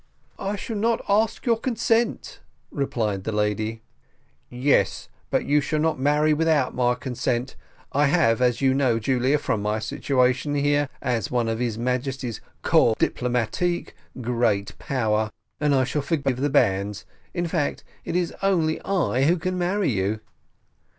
"I shall not ask your consent," replied the lady. "Yes, but you shall not marry without my consent. I have, as you know, Julia, from my situation here, as one of his Majesty's corps diplomatick, great power, and I shall forbid the banns; in fact, it is only I who can marry you."